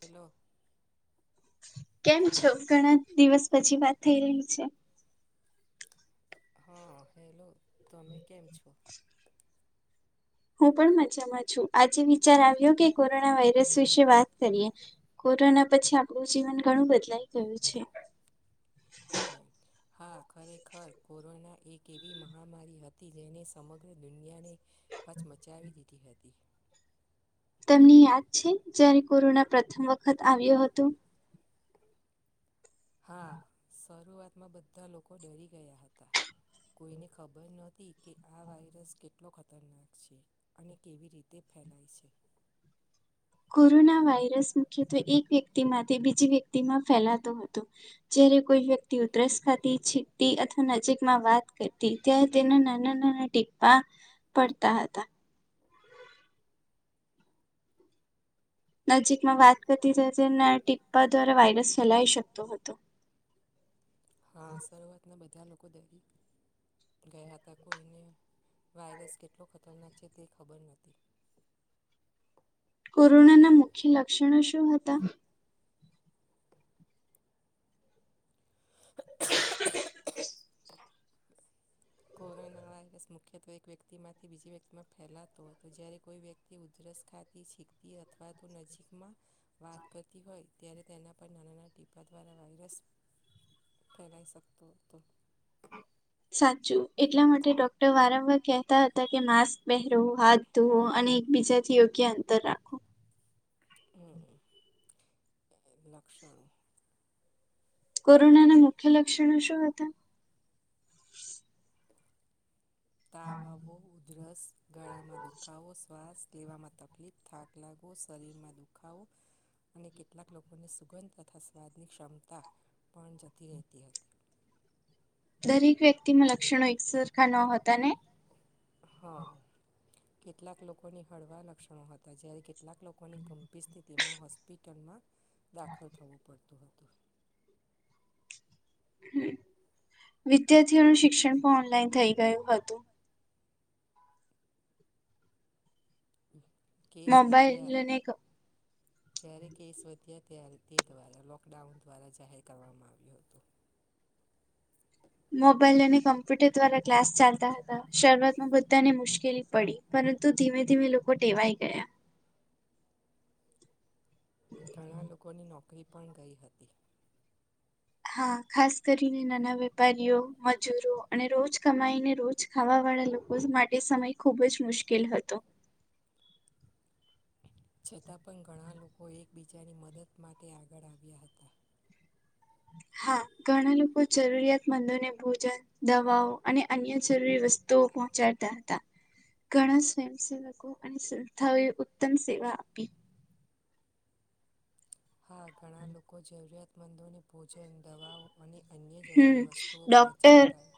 Hello. કેમ છો ઘણા દિવસ પછી વાત થઈ રહી છે. હા હેલો તમે કેમ છો. હું પણ મજામાં છું આજે વિચાર આવ્યો કે કોરોના વાયરસ વિશે વાત કરીએ કોરોના પછી આપણું જીવન ઘણું બદલાઈ ગયું છે. હમ. હા ખરેખર કોરોના એક એવી મહામારી હતી જેને સમગ્ર દુનિયાને ફચ મચાવી દીધી હતી. તેમની યાદ છે જારે કોરોના પ્રથમ વખત આવ્યો હતો. હા શરૂઆતમાં બધા લોકો ડરી ગયા હતા. કોઈને ખબર નહોતી. કે આ વાયરસ કેટલો ખતરનાક છે અને કેવી રીતે ફેલાય છે. કોરોના વાયરસ મુખ્યત્વે એક વ્યક્તિ માંથી બીજી વ્યક્તિમાં ફેલાતો હતો જય્યારે કોઈ વ્યતિ ઉધરસ ખાથી છીટતી અથવા નજીકમાં વાત કરતી ત્યારે તેના નાના નાના પડતા હતા નજીકમાં વાત કરતી હતી તે ટીપ્પા દ્વારા વાયરસ ફેલાઈ શકતો હતો. હા શરૂઆતના બધા લોકો દરી. ગયા હતા કોઈને વાયરસ કેટલો ખતરનાક છે તે ખબર નથી કોરોના ના મુખ્ય લક્ષણો શું હતા [inaudible] કોરોના વાયરસ મુખ્યત્વે એક વ્યક્તિમાંથી બીજી વ્યક્તિમાં ફેલાતો હતો જ્યારે કોઈ વ્યક્તિ તે ઉધરસ ખાથી શીખતી અથવા તો નજીકમાં વાત કરતી હોય ત્યારે તેના પર નાના નાના ટીપા દ્વારા વાયરસ ફેલાઈ શકતો તો સાચું એટલા માટે ડોક્ટર વારંવાર કહેતા હતા કે માસ્ક પહેરવું હાથ તો અને એકબીજાથી યોગ્ય અંતર રાખો હમ લક્ષણો કોરોનાના મુખ્ય લક્ષણો શું હતા તાવો ઉધરસ ગાળામાં દુખાવો શ્વાસ લેવામાં તકલીફ થાક લાગવો શરીરમાં દુખાવો અને કેટલાક લોકોને સુગંધ તથા સ્વાદની ક્ષમતા પણ જતી રહેતી હતી દરેક વ્યક્તિમાં લક્ષણો એક સરરખા ન હતા ને હ કેટલાક લોકોની હળવા લક્ષણો હતા જ્યારે કેટલાક લોકોની ગંભીર સ્થિતિમાં હોસ્પિટલમાં દાખલ થવું પડતું હતું હ વિદ્યાર્થીઓનું શિક્ષણ પણ ઓનલાઈન થઈ ગયું હતું કેસવ ત જ્યારે કેસ વધ્યા ત્યારે તે દ્વારા લોકડાઉન દ્વારા જાહેર કરવામાં આવ્યો હતોું મોબાઈલ અને કમ્પ્યુટર દ્વારા ક્લાસ ચાલતા હતા શરૂઆતમાં બધાને મુશ્કેલી પડી પરંતુ ધીમે ધીમે લોકો ટેવાઈ ગયા ઘણા લોકોની નોકરી પણ ગઈ હતી હા ખાસ કરીને નાના વ વેપારીઓ મજૂરો અને રોજ કમાઈને રોજ ખાવા વાળા લોકો માટે સમય ખુબ જ મુશ્કેલ હતો છતાં પણ ઘણા લોકો એકબીજાની મદદ માટે આગળ આવ્યા હતા હા ઘણા લોકો જરૂરિયાતમંદોને ભોજન દવાઓ અને અન્ય જરૂરી વસ્તુઓ પહોંચાડતા હતા ઘણા સ્વયંસેવકો અને સંસ્થાઓએ ઉત્તમ સેવા આપી હા ઘણા લોકો જરૂરિયાતમંદોને ભોજન દવાઓ અને અન્ય જરૂરી વસ્તુઓ પહોંચાડતા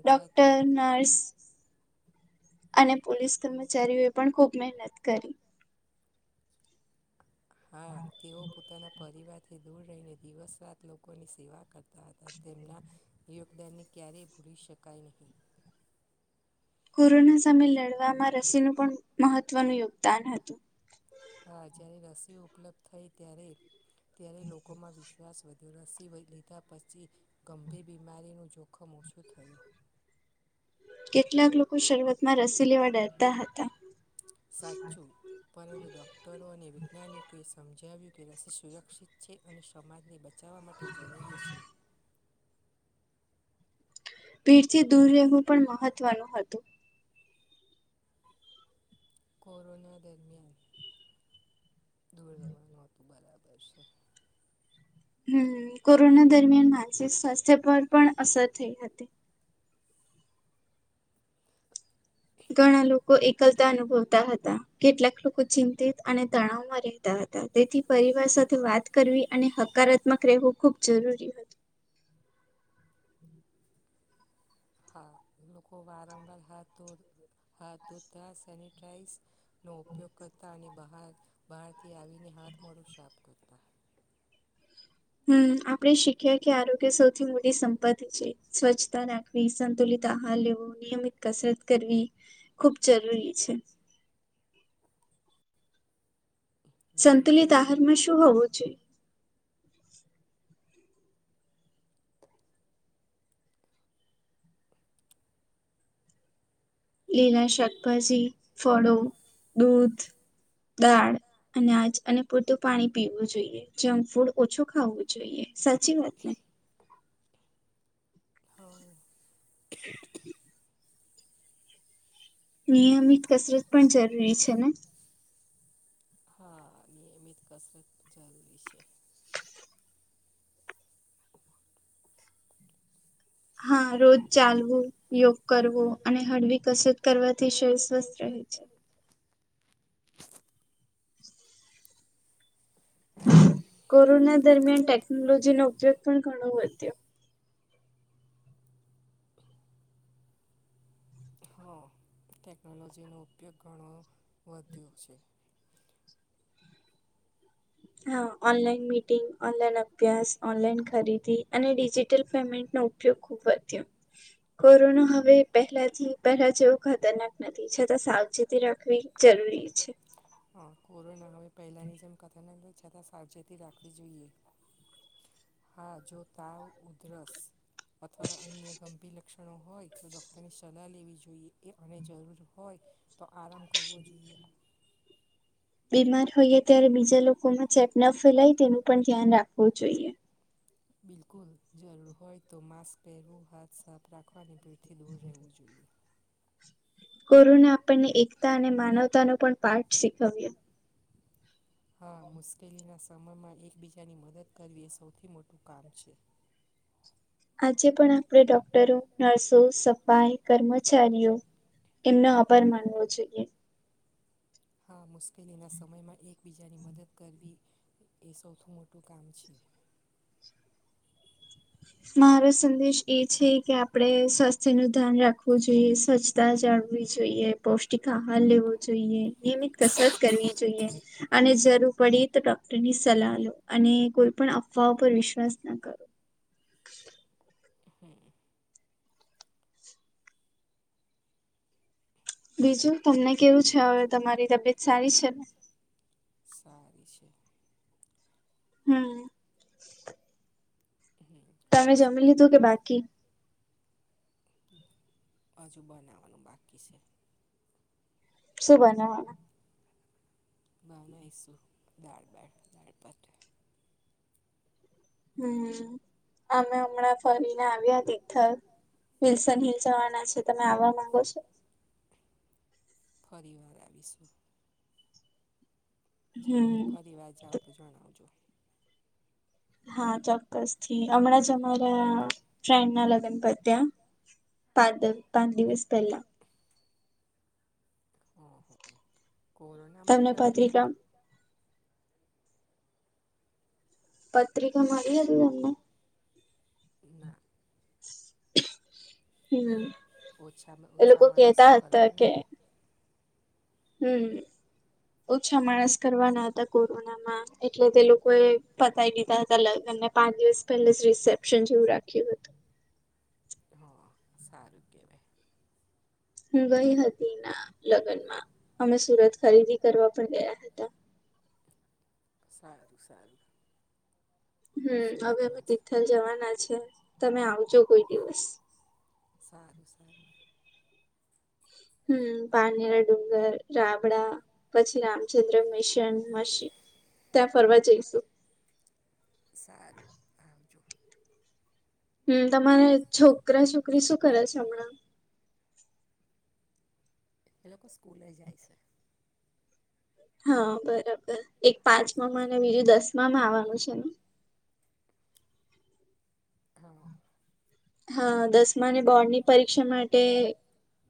ડોક્ટર નર્સ અને પોલીસ કર્મચારીઓ એ પણ ખુબ મહેનત કરી. હા તેઓ પોતાના પરિવારથી દૂર રહીને દિવસ રાત લોકોની સેવા કરતા. હતા તેમના યોગદાનને ક્યારેય ભૂલી શકાય નહીં કોરોના સામે લડવામાં રસીનું પણ મહત્વનું યોગદાન હતું. હા જ્યારે રસી ઉપલબ્ધ થઈ ત્યારે ત્યારે લોકોમાં વિશ્વાસ વધ્યો રસી લીધા પછી. ગંભીર બીમારીનું જોખમ ઓછું થયું. કેટલાક લોકો શરૂઆત માં રસી લેવા ડરતા હતા. સાચું. પરંતુ ડોક્ટરો અને વૈજ્ઞાનિકોએ સમજાવ્યું કે રસી સુરક્ષિત છે અને સમાજની બ બચાવવા માટે જરૂરી છે. ભીડથી દૂર રહેવું પણ મહત્વનું હતું. કોરોના દરમિયાન દૂર રહેવાનું હતું બરાબર છે. હમ્મ કોરોના દરમિયાન માનસિક સ્વાસ્થ્ય પર પણ અસર થઈ હતી. ઘણા લોકો એકલતા અનુભવતા હતા કેટલાક લોકો ચિંતિત અને તણાવ મરે હતા તેથી પરિવાર સાથે વાત કરવી અને હકારાત્મક રહેવું ખૂબ જરૂરી હતું. હા લોકો વારંવાર હાથ ધ હાથ ધોતા સેનિટાઈઝ નો ઉપયોગ કરતાં અને બહાર બહારથી આવીને હાથ મોડું શાપ કરતા હમ્મ આપડે શીખ્યા કે આરોગ્ય સૌથી મોટી સંપત્તિ છે સ્વચ્છતા રાખ. સંતુલિત આહાર લેવો નિયમિત કસરત કરવી ખૂબ જરૂરી છે. સંતુલિત આહારમાં શું હોવું જોઈ. લીલા શાકભાજી ફળો દૂધ. દાળ અનાજ અને પૂરતું પાણી પીવું જોઈએ જેમ ફૂડ ઓછું ખાવું જોઈએ સાચી વાત ને? હ. [inaudible] નિયમિત કસરત પણ જરૂરી છે ને? હા નિયમિત કસરત જરૂરી છે. હા રોજ ચાલવું. યોગ કરવો અને હળવી કસરત કરવાથી શરીર સ્વસ્થ રહે છે. કોરોના દરમિયાન ટેકનોલોજી નો ઉપયોગ પણ ઘણો વધ્યો. હા ટેકનોલોજીનો ઉપયોગ ઘણો વધ્યો છે. હા ઓનલાઈન મિટિંગ ઓનલાઈન અભ્યાસ ઓનલાઈન ખરીદી અને ડિજિટલ પેમેન્ટનો. ખૂબ કોરોના હવે પહેલાથી પહેલા જેવું ખતરનાક નથી છતાં સાવચેતી રાખવી. જરૂરી છે. હા કોરોના હવે પહેલાંની જેમ કથા ન છતાં સાવચેતી રાખવી જોઈએ. હા જો તાવ ઉધરસ અથવા અન્ય ગંભીર લક્ષણો હોય તો ડૉક્ટરની સલાહ લેવી જોઈએ. એ અને જરૂર હોય તો આરામ કરવો જોઈએ. બીમાર હોઈએ ત્યારે બીજા લોકોમાં ચેપ ના ફેલાય તેનું પણ ધ્યાન રાખવું જોઈએ. બિલકુલ જરૂર હોય તો માસ્ક પહેરવું હાથ સાફ રાખવાની ભીડથી દૂર રહેવું જોઈએ. કોરુને આપણને એકતા અને માનવતા નો પણ પાઠ શીખવએ. હા મુશ્કેલીના સમયમાં એકબીજાની મદદ કરવી એ સૌથી મોટું કામ છે. આજે પણ આપણે ડોક્ટરો નર્સો સફાઈ કર્મચારીઓ એમનો આભાર માનવો જોઈએ. હા મુશ્કેલીના સમયમાં એકબીજાની મદદ કરવી એ સૌથી મોટું કામ છે. મારો સંદેશ એ છે કે આપડણે સ્વાસ્થ્ય નું ધ્યાન રાખવું જોઈએ સ્વચછ. તા જાળવી જોઈએ પૌષ્ટિક આહાર લેવો જોઈએ નિયમિત કસરત કરવી જોઈએ. અને જરૂર પડી તો ડોક્ટરની સલાહ લો અને કોઈ પણ અફવા પર વિશ્વાસ ના કરો. [inaudible] હમ. બીજું તમને કેવું છે હવે તમારી તબિયત સારી છે ને. ફ છે. હમ. હમ. તમે જમી લીધું કે બાકી. હજુ બનાવનું બાકી છે. શું બનવાનું. બના હ શું દાળબાળ દાળપટ. હમ અમે હમણાં ફરીને આવ્યા તિથર. વિલ્સન હિલ જવાના છે તમે આવવા માંગો છો. ફરી વાર આવીશું. જઈએ ફરી વાર જાઓ તો જણાવજો. હા ચોક્કસ થી હમણાં જ અમારા ફ્રેન્ડ ના લગ્ન પધ્. યા પાંચ પાંચ દિવસ પહેલા. કોરોનામાં લગ. પત્રિકા મળી હતી તમને. ના. હમ એ લોકો કેતા હતા કે. હમ ઓછા માણસ કરવાના હતા કોરોના. એટલે તે લોકો એ પતાય દીધા હતા લગ્ન ને પાંચ દિવસ પહેલા જ રિસેપ્શન જેવું રાખ્યું હતું. હ સા. આરોગ્યવે. હું ગઈ હતી એના લગ્નમાં અમે સુરત ખરીદી કરવા પણ ગયા હતા. આારું સારું. હમ હવે અમે તિથલ જવાના છે તમે આવજો કોઈ દિવસ. સારું સારું. હમ પાણીરા ડુંગર જાબડા. પછી રામચંદ્ર મિશન મશીન ત્યાં ફરવા જઈશું. સારું આવજો. હમ તમારા છોકરા છોકરી શું કરે છે હમણાં. એ લોકો સ્કૂલે જાય છે. હા બરાબર એક પાંચમામાં અને બીજું દસમામાં આવવાનું છે ને. હા. હા દસમા અને બોર્ડ ની પરીક્ષા માટે.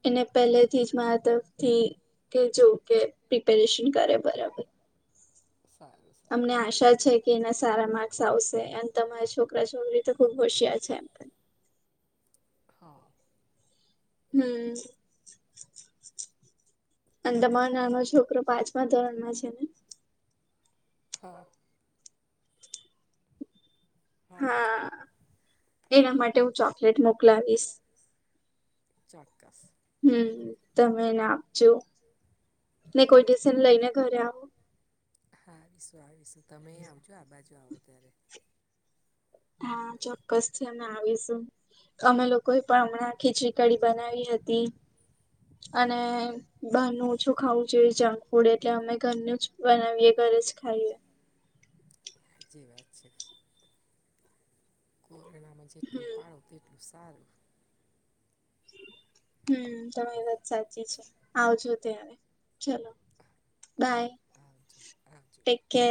એને પહેલે થી જ મારા તરફથી કે જોવ કે પ્રિપેરેશન કરે બરાબર. સારું. અમને આશા છે કે એના સારા મા. આવશે એમ તમારી છોકરા છોકરી તો ખુબ હોશિાર છે એમ. હા. હમ અને તમાર નાનો છોકરો પાંચમા ધોરણ છે ને હા હા એના માટે હું ચોકલેટ મોકલાવીશ ચોક્કસ હમ તમે એને આપજો ને કોઈ ડિસન લઈને ઘરે આવો હા આવીશું આવીશું તમે આવજો આ બાજુ આવો ત્યારે હા ચોક્કસ છે અમે આવીશું અમે લોકોએ પણ હમણાં ખીચડી કડી બનાવી હતી અને બારનું ઓછું ખાવું જોઈએ જંક ફૂડ એટલે અમે ઘરનું જ બનાવીએ ઘરે જ ખાઈએ હા જી વાત છે. કોરોનામાં જેટલું પાડો તેટલું સારું. હમ્મ તમારી વાત સાચી છે આવજો ત્યારે ચલો. હમ્મ હમ્મ. તે કે